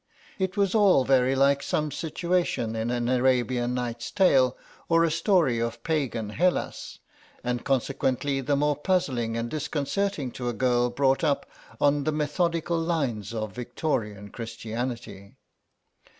It was all very like some situation in an Arabian Nights tale or a story of Pagan Hellas, and consequently the more puzzling and disconcerting to a girl brought up on the methodical lines of Victorian Christianity.